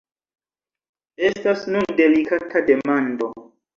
Estas nun delikata demando.